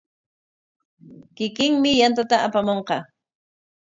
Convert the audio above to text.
Kikinmi yantata apamunqa.